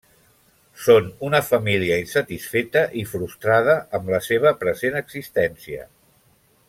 Són una família insatisfeta i frustrada amb la seva present existència.